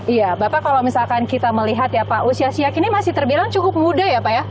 iya bapak kalau misalkan kita melihat ya pak usia siak ini masih terbilang cukup muda ya pak ya